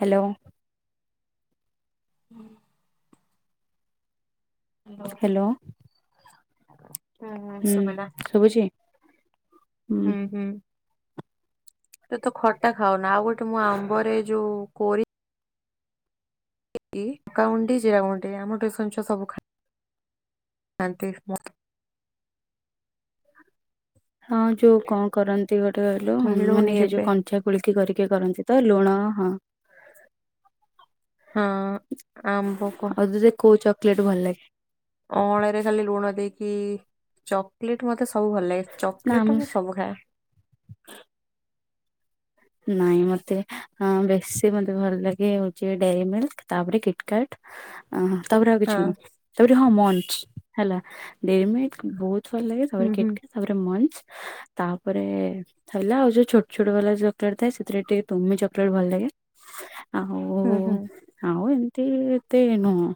Hello. ହୁଁ। Hello. Hello. ହୁଁ ଶୁବୁଚି? ହୁଁ ହୁଁ। ତୁତ ଖଟା ଖାଉନା ଆଉ ଗୋଟେ ମୁଁ ଆମ୍ବରେ ଯୋଉ କୋରି କି ଲଙ୍କା ଗୁଣ୍ଡ ଟିକେ ଜିରା ଗୁଣ୍ଡ ଟିକେ ଆମ ଟିଉସନ୍ ଛୁଆ ସବୁ ଖାଇ ଖାନ୍ତି ମୁ ହଁ ଯୋଉ କଣ କରନ୍ତି ଗୋଟେ କହିଲୁ ମିଳୁନି ମାନେ ସେ ଏବେ। ଯୋଉ କଞ୍ଚା ଖୋଳିକି କରିକି କରନ୍ତିତ ଲୁଣ ହଁ। ହଁ ଆମ୍ବକୁ ଆଉ ତତେ କୋଉ ଚକୋଲେଟ୍ ଭଲ ଲାଗେ? ଅଁଳାରେ ଖାଲି ଲୁଣ ଦେଇକି ଚକୋଲେଟ୍ ମତେ ସବୁ ଭଲ ଲାଗେ। ନା ଆମ ଚକୋଲେଟ୍ଟା ମୁଁ ସବୁ ଖାଏ। ନାଇଁ ମତେ ଅଁ ବେଶୀ ମତେ ଭଲ ଲାଗେ ହଉଚି ଡେରିମିଲ୍ ତାପରେ କିଟ୍ କାଟ୍। ଅ ତାପରେ ଆଉ କିଛି ହଁ ନୁହଁ ତାପରେ ହଁ ମଞ୍ଚ ହେଲା ଡେରିମିଲ୍ ବହୁତ୍ ଭଲ ଲାଗେ ହୁଁ ତାପରେ ହୁଁ କିଟ୍ ତାପରେ ମଞ୍ଚ ତାପରେ ହେଲା ଆଉ ଯୋଉ ଛୋଟ ଛୋଟ ବାଲା ଯୋଉ ଥାଏ ସେଥିରେ ଟିକେ ତୁମି ଚକୋଲେଟ୍ ଭଲ ଲାଗେ ଆଉ ହୁଁ ହୁଁ। ଆଉ ଏମି ତି ଏତେ ନୁହଁ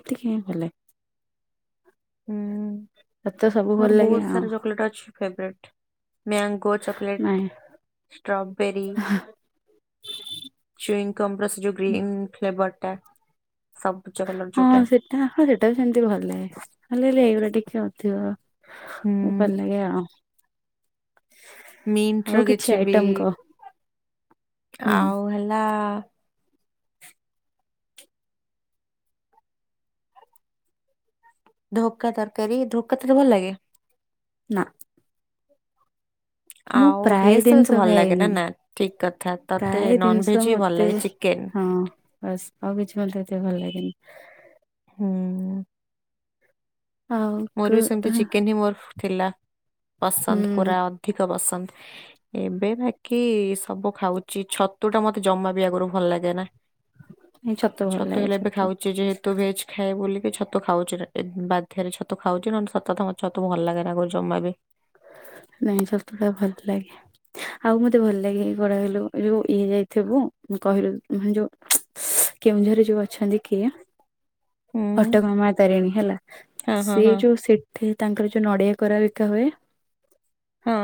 ଏତିକି ହିଁ ଭଲ ଲାଗେ। ହୁଁ ତତେ ସବୁ ଭଲ ମୋର ଲାଗେ ବହୁତ୍ ଆଉ ସାରା ଚକୋଲେଟ୍ ଅଛି। ଫେବ୍ରେଟ୍ ମ୍ୟାଙ୍ଗୋ ଚକଲେଟ୍ ନାଇଁ। ଷ୍ଟ୍ରବେରୀ ଚୁଇଗମ୍ ଉପରେ ସେଯୋଉ ଗ୍ରୀନ୍ ଫ୍ଲେବରଟା ସ ହଁ ସେଟା ହଁ ସେଇଟାବି ସେମିତି ଭଲ ଲାଗେ ହେଲେ ଏଇରା ଟିକେ ଅଧିକ ଏ ଭଲ ହୁଁ ଲାଗେ ଆଉ। ଆଉ ମିଣ୍ଟର କିଛି କିଛିବି ଆଇଟମ କହ ହୁଁ ଆଉ ହେଲା ଧକା ତରକାରୀ ଧକା ତତେ ଭଲ ଲାଗେ? ନାଁ। ମୁଁ ଆଉ ଭେଜ ପ୍ରାୟେ ତ ତତେ ଜିନିଷ ଭଲ ଲାଗେ ନା ଖାଇନି ନା ଠିକ କଥା ତତେ ପ୍ରାୟେ ନନ ଭେଜ ଜିନିଷ ବି ଭଲ ମତେ ଲାଗେ ଚିକେନ ହଁ ବାସ୍ ଆଉ କିଛି ମତେ ଏତେ ଭଲ ଲାଗେନି। ହୁଁ। ଆଉ କ ମୋରବି ସେମିତି ଚିକେନହିଁ ମୋର ଥିଲା ହୁଁ ପସନ୍ଦ ପୁରା ଅଧିକ ପସନ୍ଦ। ଏବେ ବାକି ସବୁ ଖାଉଚି ଛତୁଟା ମତେ ଜମାବି ଆଗୁରୁ ଭଲ ଲାଗେନା। ଏ ଛତୁ ଭଲ ଛତ ଲାଗେ ହେଲେ ଏବେ ଛତୁ ଖାଉଚି ଯେହେତୁ ଭେଜ୍ ଖାଏ ବୋଲକି ଛତୁ ଖାଉଚି ବାଧ୍ୟରେ ଛ ତୁ ଖାଉଚି ନହେଲେ ସତକଥା ମତେ ଛତୁ ଭଲ ଲାଗେନା ମୁ ଜମାବି ନାଇଁ ଛତୁଟା ଭଲ ଲାଗେ। ଆଉ ମତେ ଭଲ ଲାଗେ କଡ କଲୁ ଯୋଉ ଇଏ ଯାଇଥିବୁ କହିଲୁ ଯୋଉ କେଉଁଝରେ ଯୋଉ ଅଛନ୍ତି କିଏ? ହୁଁ ଘଟଗାଁ ମା ତାରିଣୀ ହେଲା ହଁ ହଁ ସିଏ ହଁ ଯୋଉ ସେ ଠି ତାଙ୍କର ଯୋଉ ନଡ଼ିଆ କୋରା ବିକା ହୁଏ। ହଁ।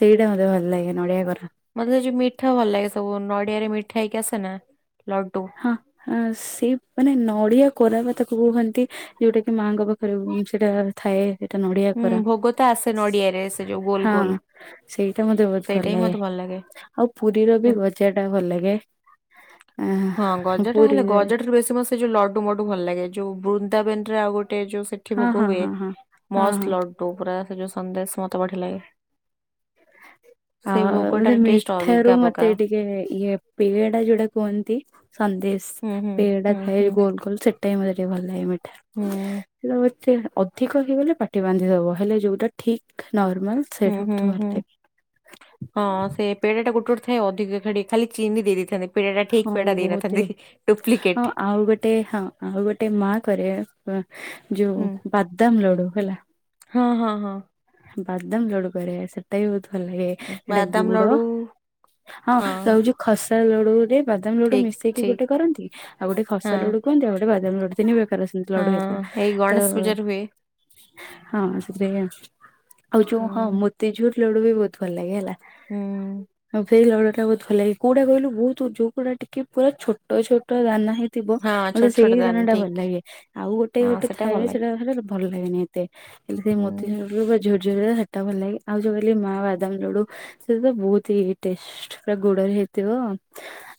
ସେଇଟା ମତେ ଭଲ ଲାଗେ ନଡ଼ିଆ କୋରା। ମତେ ସେଯୋଉ ମିଠା ଭଲ ଲାଗେ ସବୁ ନଡ଼ିଆରେ ମିଠା ହେଇକି ଆସେନା ଲଡୁ। ହଁ ଅଁ ସେଇ ମାନେ ନଡ଼ିଆ କୋରାବା ତାକୁ କୁହନ୍ତି ଯୋଉଟାକି ମାଙ୍କ ପା ଖରୁ ସେଟା ଥାଏ। ସେଟା ନଡ଼ିଆ ହୁଁ କୋରା ଭୋଗ ତ ଆସେ ନଡିଆରେ ସେ ଯୋଉ ଗୋଲ ହଁ ଗୋଲ ସେଇଟା ମତେ ବହୁତ୍ ଭଲ ସେଇଟା ହିଁ ଲାଗେ। ମତେ ଆଉ ପୁରୀରବି ଗଜାଟା ଭଲ ଲାଗେ ଅ ହଁ ଗଜାଟା ହେଲେ ଗଜା ବେଶୀ ମତେ ସେ ଯୋଉ ଲଡୁ ମୋଡୁ ଭଲ ଲାଗେ ଯୋଉ ବୃନ୍ଦାବନରେ ଆଉ ଗୋଟେ ଯୋଉ ସେ ଠି ହଁ ଭୋଗ ହଁ ହୁଏ ହଁ ହଁ ମ ହଁ ହଁ ଲୁ ପୁରା ସେ ଯୋଉ ସନ୍ଦେଶ ମତେ ବଢିଆ ଲାଗେ। ଆ ସେଇ ମୋତେ ଭୋଗଟାର ଟେଷ୍ଟ ମିଠ ର ଅଲଗା ମତେ ପ୍ରକାର ଏଠିକ ଇଏ ଇଏ ପେଡା ଯୋଉଟା କୁହନ୍ତି ସନ୍ଦେଶ ହୁଁ ହୁଁ ପେଡା ହୁଁ ଥାଏ ହୁଁ ଗୋଲ ଗୋଲ ସେ ମତେ ଟିକେ ଭଲ ଲାଗେ ମିଠା ହୁଁ। [unintelligible] ସେ ଅଧିକ ହେଇଗଲେ ପାଟି ବାନ୍ଧିଦବ ହେଲେ ଯୋଉଟା ଠିକ ନର୍ମାଲ ହୁଁ ସେଇଟା ହୁଁ ବହୁତ ଭଲ ହୁଁ। ଲାଗେ। ହଁ ସେ ପେଟ ଟା ଗୋଟେ ଥାଏ ଅଧିକ ଖାଡି ଖାଲି ଚିନି ଦେଇଥାନ୍ତେ। ଠିକ୍ ହଁ ପେଡ଼ା ବହୁତ ଦେଇନଥାନ୍ତି। ହି ଡୁପ୍ଲିକେଟ ହଁ ଆଉ ଗୋଟେ ହଁ ଆଉ ଗୋଟେ ମା କରେ ଯୋଉ ହୁଁ ବାଦାମ ଲଡୁ ହେଲା। ହଁ ହଁ ହଁ। ବାଦାମ ଲଡୁ କରିବା ସେଟା ବି ବହୁତ ଭଲ ଲାଗେ। ସେଟା ବାଦାମ ଗୁଡ ଲଡୁ ହଁ ସେଟା ହୋଉଛି ଖସା ଲଡୁରେ ବାଦାମ ଲୁଡୁ ଠିକ ମିଶେଇକି ଠିକ। ଗୋଟେ କରନ୍ତି। ଆଉ ଗୋଟେ ଖସ ହଁ। ଲଡୁ କୁହନ୍ତି ଆ ଗୋ ବାଦାମ ଲଡୁ ତିନି ପ୍ରକାର ଲଡୁ ହେଇଥିଲା। ହଁ ଏଇ ତ ଗଣେଶ ପୂଜାରେ ହୁଏ। ହଁ ସେଥିରେ ଆଉ ଯୋଉ ହୁଁ ହଁ ମୋତିଝୁର ଲଡୁ ବି ବହୁତ ଭଲ ଲାଗେ ହେଲା ହୁଁ। ଆଉ ସେଇ ଲଡୁ ଟା ବହୁତ ଭଲ ଲାଗେ। କୋଉଟା କହିଲୁ ବହୁତ ଯଉଡା ଟିକେ ପୁରା ଛୋ ଛୋଟ ଦାନା ହେଇ ଥିବ ହଁ ମୋତେ ଛୋଟ ଛୋଟ ସେଇ ଦାନ ଦିନଟା ଭଲ ଠିକ ଲାଗେ ଆଉ ଗୋଟେ ହଁ ଗୋଟେ ସେଟା ଭଲ ଥାଏ ଲାଗେ ସେଇଟା ହେଲେ ଭଲ ଲାଗେନି। ହେଲେ ସେଇ ହୁଁ ମୋତୋଡୁ ବା ଝଝରଟା ଭଲ ଲାଗେ ଆଉ ଯୋଉ କହଲି ମା ବାଦାମ ଲଡୁ ସେ ତ ବହୁତ ଟେଷ୍ଟ ପୁରା ଗୋଡରେ ହେଇଥିବ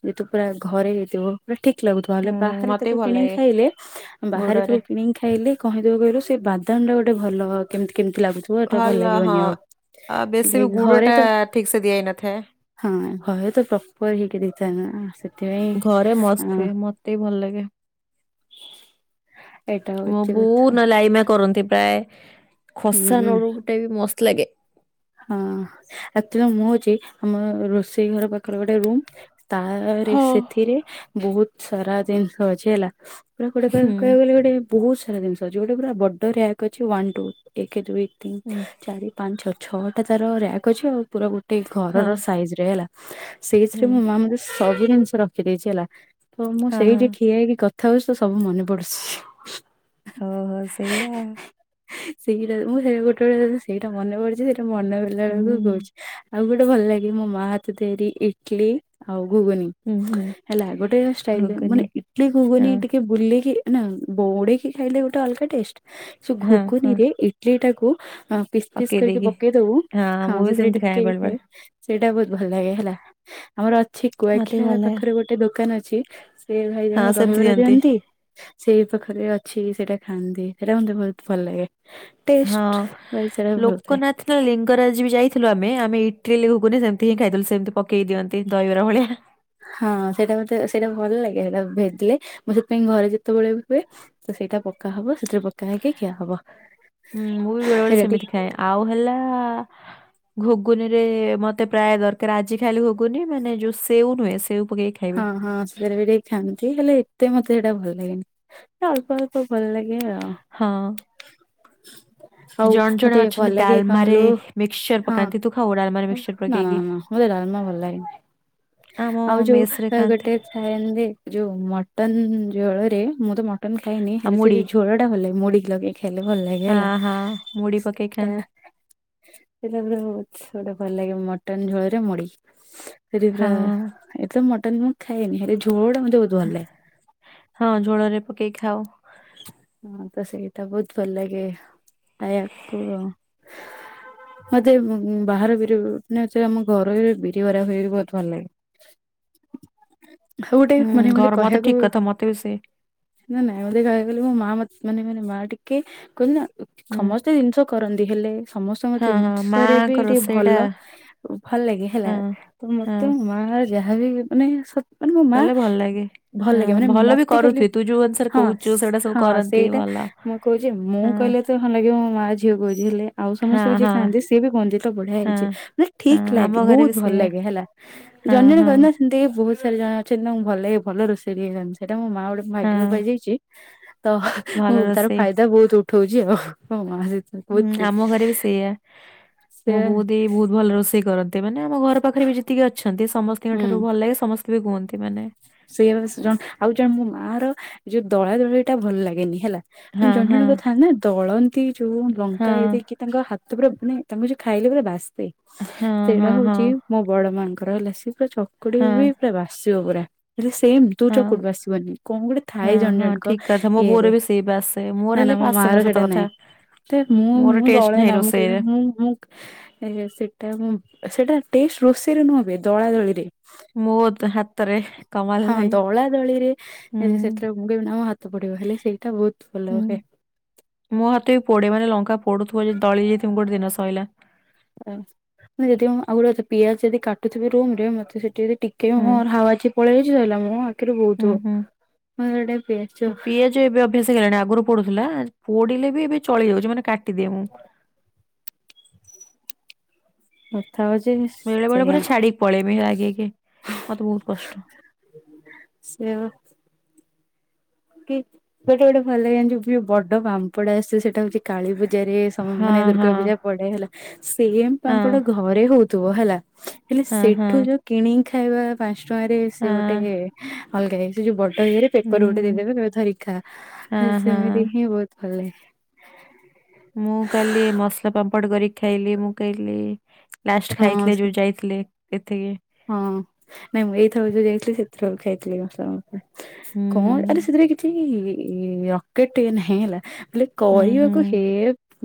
ଯେତୁ ପୁରା ଘରେ ହେଇଥିବ। ପୁରା ଠିକ ଲାଗୁଥିବା ହେଲେ ହୁଁ ବାହାରେ ମତେ ତାକୁ ବି ଭଲ କିଣିକି ଲାଗେ। ଖାଇଲେ ବାହାରେ ଗୁଡରେ ତାକୁ କିଣିକି ଖାଇଲେ କହିଦବ କହିଲୁ ସେ ବାଦାମଟା ଗୋଟେ ଭଲ କେମିତି କେମିତି ଲାଗୁଥିବ। ତୁ ଏଟା ଭଲ ଲାଗିବନି ଆଉ ଆ ବେଶୀ ବି ଗୁଡ ଘରେ ଟା ତ ଠିକ ସେ ଦିଆ ହେଇନଥାଏ। ହଁ ଘୟ ତ ପ୍ରପର ହେଇକି ଦେଇଥା ନା ସେଥିପାଇଁ କେତେ ଭଲ ଲାଗେ। ଏଇଟା ମୋ ହଉଛି କଥା ବହୁତ ନେ ଲାଇମା କରନ୍ତି ପ୍ରାୟ ଖସା ହୁଁ। ନଡୁ ଟା ବି ମସ୍ତ ଲାଗେ ହଁ ରାତିରେ ମୁଁ ହଉଛି ଆମ ରୋଷେଇ ଘର ପାଖରେ ଗୋଟେ ରୁମ୍ ତା ରେ ହଁ। ସେଥିରେ ବହୁତ ସାରା ଜିନିଷ ହଜି ହେଲା ପୁରା ଗୁଟେ କ ହୁଁ କହିବାକୁ ଗଲେ ଗୋଟେ ବହୁତ ସାରା ଜିନିଷ ଅଛି ଗୋଟେ ପୁରା ବଡ଼ ର୍ୟାଗ ଅଛି ୱାନ୍ ଟୁ ଏକ ଦୁଇ ତିନି ହୁଁ ଚାରି ପାଞ୍ଚ ଛଅ। ଛଅଟା ତାର ରାକ୍ ଅଛି ଆଉ ପୁରା ଗୋଟେ ହଁ ଘରର ସାଇଜ ରେ ହେଲା ହୁଁ ସେଇଥିରେ ମୋ ମା ମତ ସବୁ ଜିନିଷ ରଖିଦେଇଛି ହେଲା ତ ମୁଁ ହଁ ହଁ। ସେଇଠି ଠିଆ ହେଇକି କଥା ହୋଉଚି ତ ସବୁ ମନେ ପଡୁଛି। ହଉ ହଉ ସେଇଆ। ସେଇଟା ମୁଁ ସେଇଟ ଗୋଟେ ବଳେ ସେଇଟା ମନେ ପଡୁଛି ସେଇଟା ମନେ ପଲା ବେଳକୁ କହୁଛି। ଆଉ ଗୋଟେ ଭଲ ଲାଗେ ମୋ ମା ହାତ ତିଆରି ଇଟିଲି ଆଉ ଘୁଗୁନି। ହେଲା ଗୋଟେ ଷ୍ଟାଇଲ ମାନେ ଇଟଲି ଗୁଗୁନି ଟିକେ ବୁଲେଇକି ନା ବୌଡେଇକି ଖାଇଲେ ଗୋଟେ ଅଲଗା ଟେଷ୍ଟ ଘୁନିରେ ଇଟିଲି ପିସ୍ ପିସ୍ କରିକି ପକେଇ ଦବୁ ହଁ ସେଥିରେ ଟିକେ ଖାଏ। ସେଇଟା ବହୁତ ଭଲ ଲାଗେ ହେଲା ଆମର ଅଛି ମତେ କୁଆଖିଆ ଭଲ ଲାଗେ ପାଖରେ ଗୋଟେ ଦୋକାନ ଅଛି। ସେ ଭାଇ ହଁ ଜଣଙ୍କ ସେମିତି ଦହିବରା ଦିଅନ୍ତି। ସେଇ ପାଖରେ ଅଛି ସେଇଟା ଖାଆନ୍ତି ସେଇଟା ମତେ ବହୁତ ଭଲ ଲାଗେ। ହଁ ଟେଷ୍ଟ ର ସେଟା ଭଲ ଥାଏ। ଲୋକନାଥ ନା ଲିଙ୍ଗରାଜ ବି ଯାଇଥିଲୁ ଆମେ, ଆମେ ଏଇଠ୍ ଟିଲି ଘୁଗୁନି ସେମିତି ହିଁ ଖାଇଦେଲୁ, ସେମିତି ପକେଇ ଦିଅନ୍ତି ଦହିବରା ଭଳିଆ। ହଁ, ସେଇଟା ମତେ ସେଇଟା ଭଲ ଲାଗେ ହେଟା ଭେଦିଲେ, ମୁଁ ସେଥିପାଇଁ ଘରେ ଯେତେବେଳେ ବି ହୁଏ ତ ସେଇଟା ପକା ହବ, ସେଥିରେ ପକା ହେଇକି ଖିଆ ହବ। ହୁଁ, ମୁଁ ବି ବେଳେ ବେଳେ ସେଇଟା ଟିକେ ସେମିତି ଖାଏ, ଆଉ ହେଲା-ଆ ଘୁଗୁନି ରେ ମତେ ପ୍ରାୟ ଦରକାର। ଆଜି ଖାଲି ଘୁଗୁନି ମାନେ ଯୋଉ ସେଉ ନୁହେଁ, ସେଉ ପକେଇକି ହଁ, ଖାଇବେ ହଁ, ସେରାବି ଟିକ୍। ଖାଆନ୍ତି ହେଲେ, ଏତେ ମତେ ହେଇଟା ଭଲ ଲାଗେନି। ସେ ଅଳ୍ପ ଅଳ୍ପ ଭଲ ଲାଗେ ଆଉ। ହଁ। ଆଉ ଜଣେ ଜଣେ ମତେ ଭଲ ଅଛନ୍ତି, ଲାଗେ କଣ ଡାଲମାରେ କହିଲୁ ମିକ୍ସସର ପକାନ୍ତି, ତୁ ଖାଉ ଡାଲମାରେ ମିକ୍ସସର ପକେଇକି? ମୋତେ ଡାଲମା ଭଲ ଲାଗେନି। ଆମ ଆଉ ଯୋଉ ମେସ୍ ରେ ଖାଆନ୍ତି ଗୋଟେ ଖାଏନ୍ତି, ଯୋଉ ମଟନ୍ ଝୋଳରେ, ମୁଁ ତ ମଟନ୍ ଖାଇନି। ହଁ ହେଲେ ସେ ମୁଢି ଯୋଉ ଝୋଳ ଟା ଭଲ ଲାଗେ। ମୁଡିିକି ଲଗେଇ ଖାଇଲେ ଭଲ ଲାଗେ, ହଁ ହେଲା। ହଁ ମୁଢି ପକେଇ ସେଟା ଖାଆନ୍ତି ସେଟା ପୁରା ବ ଗୋଟେ ଭଲ ଲାଗେ, ମଟନ୍ ଝୋଳରେ ମୁଡି। ସେଠି ହଁ ପୁରା ଏକ ତ ମଟନ୍ ମୁଁ ଖାଏନି। ହେଲେ ଝୋଳଟା ମତେ ବହୁତ ଭଲ ଲାଗେ। ହଁ, ଝୋଳରେ ପକେଇ ଖାଉ। ମୁଁ ତ ସେଇଟା ବହୁତ ଭଲ ଲାଗେ। ଖାଇଆକୁ ଆଉ। ମତେ ବୁ-ବାହାର ବିରି ମାନେ, ଏଥିରେ ଆମ ଘର ବିରିିବରା ହୁଏ ବି, ବହୁତ ଭଲ ଲାଗେ। ଆଉ ଗୋଟେ ହୁଁ, ମାନେ ଘର ମତେ କହିବାକୁ ଠିକ୍ କଥା, ମତେ ବି ସେ ନା, ନା, ମୁଁ ତେ କହିଆକୁ ଗଲେ, ମୋ ମାଁ ମତ୍ ମାନେ ମାନେ ମା ଟିକେ କହିଲ ନା, ହୁଁ ଖମସ୍ କେତେ ଜିନିଷ କରନ୍ତି, ହେଲେ ସମସ୍ତଙ୍କ ହଁ ହଁ ଦିନଷରେ ବି ମାଆଙ୍କ ଟିକେ ରୋଷେଇଟା ଭଲ। ଭଲ ଲାଗେ ହେଲା ହଁ ତ ହଁ ମତେ ମ ହଁ ଯାହାବି ମାନେ, ସତ୍ ମାନେ ମୋ ମାଁ କଲେ ଭଲ ଲାଗେ ଭଲ ହଁ ଲାଗେ, ମାନେ ଭଲ ବି ମତେ ଖାଲି, କରୁଥିବେ ତୁ ଯୋଉ ଅନୁସାରେ ହଁ। କହୁଛୁ ସେଗୁଡା ସବୁ ହଁ, କରନ୍ତି ସେଇଟା ଭଲ ମୁଁ କହୁଛି, ମୁଁ ହଁ କହିଲେ ତ ହଁ, ଲାଗିବ ମୋ ମା ଝିଅ କହୁଛି, ହେଲେ ଆଉ ସ ହଁ ସମସ୍ତେ ବି ଯିଏ ହଁ ଖାଆନ୍ତି, ସିଏ ବି କୁହନ୍ତି ତ, ବଢିଆ ହଁ ହେଇଛି। ମାନେ ହଁ ଠିକ୍ ଆମ ଲାଗେ, ଘରେ ବହୁତ ବି ଭଲ ସେଇଆ ଲାଗେ, ହେଲା। ହଁ, ହଁ। ଏନ୍ତିକି ବହୁତ ସାରା ଜଣ ଅଛନ୍ତି, ତାଙ୍କୁ ଭଲ ଲାଗେ ଭଲ ରୋଷେଇ [unintelligible] ସେଇଟା ମୋ ମାଁ ଗୋଟେ ଭାଗ୍ୟକୁ ହଁ ପାଇଯାଇଛି। ତ, ଭଲ ମୁଁ ତାର ରୋଷେଇ ଫାଇଦା ବହୁତ୍ ଉଠଉଛି ଆଉ, ମୋ ମା ସହିତ ବୁତ୍ ଇ ସେଇୟା, ମୋ ବୁ ଦେଇ ବହୁତ୍ ଭଲ ରୋଷେଇ କରନ୍ତି। ମାନେ ଆମ ଘର ପାଖରେ ବି ଯେତିକି ଅଛନ୍ତି ସମସ୍ ତିଙ୍କ ହୁଁ ଠାରୁ ଭଲ ଲାଗେ, ସମସ୍ତେ ବି କୁହନ୍ତି। ମାନେ ସେୟା ବା ସେ ଜଣ ଆଉ ଜଣେ, ମୋ ମା ର ଯୋଉ ଦଳାଦଳିଟା, ଭଲ ଲାଗେନି ହେଲା। ମାନେ ହଁ ଜଣ ହଁ ଜଣଙ୍କ ଥାଆନ୍ତି ନା, ଦଳନ୍ତି ଯୋଉ ଲଙ୍କା ହଁ ଇଏ ଦେଇକି ତାଙ୍କ ହାତ ପୁରା ମାନେ ତାଙ୍କୁ ଯେ ଖାଇଲେ ପୁରା ବାସେ। ହଁ ସେଇଟା ହଁ ହଁ ହଉଛି ମୋ ବଡ ମାନଙ୍କର ହେଲା, ସେ ପୁରା ଚକୁଡି ହଁ ବେ ପୁରା ବାସିବ ପୁରା ହେଲା ସେମ୍। ତୁ ହଁ ଚକୁଡୁ ବାସିବନି! କଣ ଗୋଟେ ଥାଏ ହଁ ଜଣେ ହଁ ଜଣଙ୍କ ଠିକ କଥା ମୋ ଇଏ ରେ? ନା, ନା, ମୋ ମା ର ହେଡ୍ ତ କଥା। ମୁଁ, ମୋର ମୁଁ, ଟେଷ୍ଟ ଦଳେ ନାହିଁ ନା। ମୁଁ କେବେ, ରୋଷେଇରେ ମୁଁ ମୁଁ ସେଟା ମୁଁ, ସେଟା ଟେଷ୍ଟ ରୋଷେଇର ନୁହଁବେ, ଦଳା ଦଳିରେ। ମୋତ୍ ହାତରେ କମାଲ ହଁ, ନାହିଁ ଦଳା ଦଳିରେ ହୁଁ ସେଥିରେ ମୁଁ କହିବିନା ମୋ ହାତ ପୋଡିବ। ହେଲେ ସେଇଟା ବହୁତ ଭଲ ହୁଁ ହେ। ମୋ ହାତ ବି ପୋଡେ। ମାନେ, ଲଙ୍କା ପୋଡୁଥିବ ଯଦି, ଦଳି ଦେଇଥିବି ଗୋଟେ ଦିନ, ସଇଲା। ଆ, ମାନେ ଯେତିକି ମୁଁ ଆଉ ଗୋଟେ କଥା, ପିଆଜ ଯଦି କାଟୁଥିବି ରୁମ୍ ରେ, ମତେ ସେଠି ଯଦି ଟିକ୍ କେ ହୁଁ ମୋର ହାୱାଛି ପଳେଇ ଯାଇଛି ସଇିଲା ମୋ ଆଖିରୁ ହୁଁ ବହୁତୁ ହୁଁ ଆ ହେଡେ ପେଂଚ। ଯେ ଏବେ ଅଭ୍ୟାସ ହେଲାଣି ଆଗରୁ ପୋଡୁଥିଲା ପୋଡିଲେ ବି ଏବେ ଚଳି ଯାଉଛି ମାନେ କାଟିଦିଏ ମୁଁ। [unintelligible] ବେଳେ ବେଳେ ପୁରା ଛାଡିକି ପଳେଇବେ ରାଗେଇକି ମତେ ବହୁତ କଷ୍ଟ। ସେୟାବା। କି ଗୋଟେ ଗୋଟେ ଭଲ ଲାଗେ ଯୋଉ ବଡ ପାମ୍ପଡ ଆସେ ସେଟା ହଉଛି। କାଳୀ ପୂଜାରେ ସ ହଁ ମାନେ ଦୁର୍ଗା ହଁ ପୂଜା ପଡେ ହେଲା ସେମ୍ ହଁ ପାମ୍ପଡ ଘ ଘରେ ହଉଥିବ ହେଲା ହେଲେ ହଁ ହଁ ସେଠୁ ଯୋଉ କିଣିକି ଖାଇବା। ପାଞ୍ଚ ଟଙ୍କାରେ ହଁ ସେ ଗୋଟେ ଅଲଗା ହେଇ ସେ ଯୋଉ ବଡ଼ ଇଏରେ ପେପର ଗୋ ଦେଇଦେବେ ହୁଁ, କହିବେ ଧରିକ ଖା ହେଲେ ହଁ ହଁ ସେମିତି ହିଁ ବହୁତ ଭଲ ଲାଗେ। ମୁଁ କାଲି ମସଲା ପାମ୍ପଡ କରିକି ଖାଇଲି ମୁଁ କହିଲି। ଲାଷ୍ଟ ହଁ ଖାଇଥିଲେ ସେ ଯୋଉ ଯାଇଥିଲେ ଏଥିକି। ହଁ ନାଇଁ ମୁଁ ଏଇଥରକୁ ଯୋଉ ଯାଇଥିଲି ସେଥିର ଖାଇଥିଲି ମସଲା ପା ହୁଁ କଣ ଆରେ ସେଥିରେ କିଛି ରକେଟ ଇଏ ନାହିଁ ହେଲା ହେଲେ ହୁଁ ହୁଁ କହିବାକୁ ହେ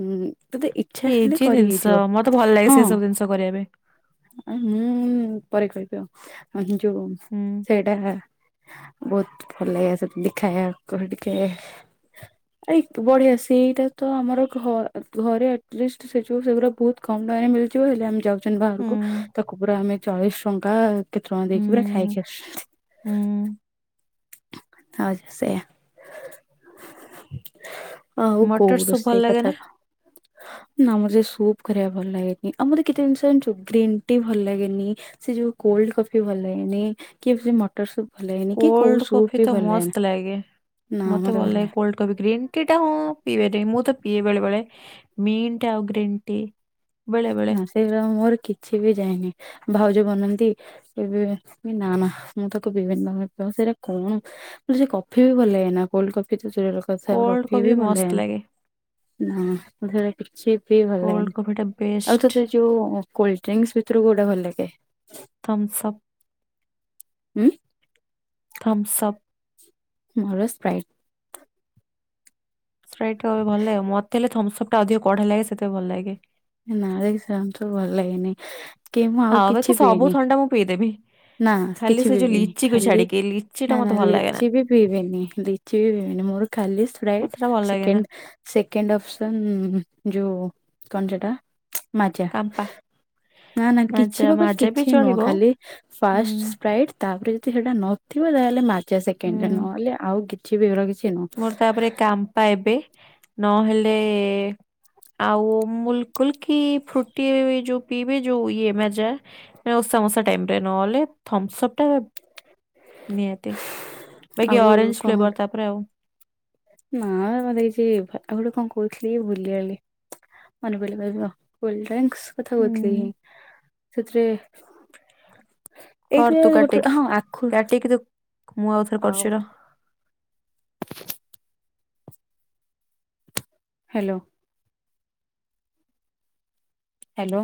ଉଁ ତତେ ଏ ଏଜି ଜିନିଷ ମତେ ଭଲ ଲାଗେ ସେ ସବୁ ଜିନିଷ କରିବା ପାଇଁ। ଆ ମୁଁ ପରେ କହିବି ଆଉ ଯୋଉ। ହୁଁ। ସେଇଟା ବହୁତ ଭଲ ଲାଗେ ସେମତି ଖାଇବା କୁ ଟିକେ ଏ ବଢିଆ ସେଇଟା ତ ଆମର ଘ ଘରେ ଆଟଲିଷ୍ଟ ସେ ଯୋଉ ସେଗୁଡା ବହୁତ କମ ଟଙ୍କାରେ ମି ଯଉ ହେଲେ ଆମେ ଯାଉଛନ୍ତି ହୁଁ ବାହାରକୁ ତାକୁ ପୁରା ଆମେ ଚାଳିଶ ଟଙ୍କା କେତେ ଟଙ୍କା ଦେଇକି ପୁରା ହୁଁ ଖାଇକି ଆସୁଛନ୍ତି। ହୁଁ ଆଉ ସେୟା। ଆଉ ମଟର କଉ ସୁପ୍ ଭଲ ରୋଷେଇ ଲାଗେ କଥା ନା ନା ମତେ ସେ ସୁପ୍ କରିବା ଭଲ ଲାଗେନି ଆଉ ମତେ କେତେ ଜିନିଷ ଜାଣିଛୁ ଗ୍ରୀନ୍ ଟି ଭଲ ଲାଗେନି। ସେ ଯୋଉ କୋଲଡ କଫି ଭଲ ଲାଗେନି କି ସେ ମଟର ସୁପ୍ ଭଲ ଲାଗେନି କି କୋଉ କୋଲଡ ସୁପ୍ କଫି ବି ତ ଭଲ ଲାଗେନି ମସ୍ତ ଲାଗେ ମତେ ଭଲ ଲାଗେ କୋଲଡ କହିବେ ଗ୍ରୀନ୍ ଟି ଟା ହୁଁ ପିଇବେ ଟିକେ ମୁଁ ତ ପିଏ ବେଳେ ବେଳେ ମିଣ୍ଟ ଆଉ ଗ୍ରୀନ୍ ଟି। ବେଳେବେଳେ। ସେଇଗୁରା ମୋର କିଛି ବି ଯାଏନି ଭାଉଜ ବନାନ୍ତି। ଏବେ ନା ନା ମୁଁ ତାକୁ ପିଇବିନି ସେଇଟା କଣ ସେ କଫି ବି ଭଲ ଲାଗେନା କୋଲଡ କଫି ତ ଦୂରର କଥା କୋଲ୍ଡ କଫି ବି ଭଲ ମସ୍ତ ଲାଗେନା। ଲାଗେ ନା ମୋତେ ହେରା କିଛି ବି ଭଲ କୋଲ୍ଡ ଲାଗେନି କଫିଟା ଆଉ ବେଷ୍ଟ ଥ ସେ ଯୋଉ କୋଲଡ୍ରିଙ୍କସ ଭିତରୁ କଉଟା ଭଲ ଲାଗେ? ଥମ୍ସଅପ୍। ଉଁ ଥମ୍ସଅପ୍। ମୋର ସ୍ପ୍ରାଇଟ୍। ସ୍ପ୍ରାଇଟ ଟ ଭଲ ଲାଗେ ମତେ ହେଲେ ଥମ୍ସଅପ୍ ଟା ଅଧିକ କଡା ଲାଗେ ସେଥିପାଇଁ ଭଲ ଲାଗେ। ନା [unintelligible] ଭଲ ଲାଗେନି କି ମୁଁ ଆଉ ବାକି କିଛି ବି ସବୁ ପିଏନି। ଥଣ୍ଡା ମୁଁ ପିଇଦେବି ନା ଖାଲି କିଛି ସେ ଯୋଉ ପିଇବିନି ଲିଚିକୁ ଖାଲି ଛାଡିକି ଲିଚିଟା ନା ନା ମତେ ଭଲ ଲାଗେ ଲିଚି ବି ପିଇବିନି। ମୋର ଖାଲି ମତେ ସ୍ପ୍ରାଇଟ୍ ସେଟା ଭଲ ଲାଗେ ନା ସେକେଣ୍ଡ। ସେକେଣ୍ଡ ଅପସନ୍ ଯୋଉ କଣ ସେଟା କାମ୍ପା। ନାଁ ନାଁ କିଛି ମାଜା ବା ମାଜା ବି କିଛି ନୁହଁ ଚଳିବ ଖାଲି ହୁଁ ଫାଷ୍ଟ ସ୍ପ୍ରାଇଟ ତାପରେ ଯଦି ସେଟା ନଥିବ ତାହେଲେ ମାଜା ହୁଁ ସେକେଣ୍ଡରେ ନହେଲେ ଆଉ। କିଛି ବି ଏଗୁରା ନୁଁ। ମୋର ତାପରେ କାମ୍ପା ଏବେ ନହେଲେ ଆଉ ଅମୁଳୁକୁଲ କି ଫ୍ରୁଟି ଯୋଉ ପିଇବେ ଯୋଉ ଇଏ ମାଜା। ଓଷା ମସା ଟାଇମରେ ନହେଲେ ଥମ୍ସପଟା ନିହାତି। ବାକି ଆଉ ଅରେଞ୍ଜ କଣ ଫ୍ଲେଭର ଗୋଟେ ତାପରେ ଆଉ। ନା ମତେ କିଛି ଆଉ ଗୋଟେ କଣ କହୁଥିଲି ଭୁୁଲିଗଲି। ମନେ ପାଇଲେ କହିବି ଆଉ କୋଡ୍ରିଙ୍କସ କଥା କହୁଥିଲି ହିଁ ହୁଁ ସେଥିରେ ଏଇ କର ତୁ ଗୋଟେ କାଟିକି ହଁ ଆଖୁ କାଟିକି ତୁ ମୁଁ ଆଉଥରେ ଆଉ କରୁଛି ରହ। ହ୍ୟାଲୋ। ହ୍ୟାଲୋ।